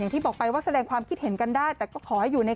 ที่บอกไปว่าแสดงความคิดเห็นกันได้แต่ก็ขอให้อยู่ใน